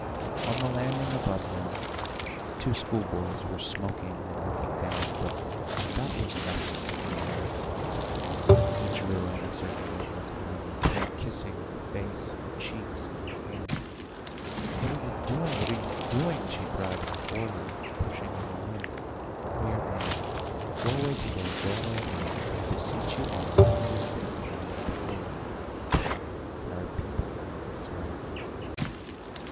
On the landing above them two schoolboys were smoking and looking down, but that was nothing to Gurov; he drew Anna Sergeyevna to him, and began kissing her face, her cheeks, and her hands. "What are you doing, what are you doing!" she cried in horror, pushing him away. "We are mad. Go away to day; go away at once.... I beseech you by all that is sacred, I implore you.... There are people coming this way!"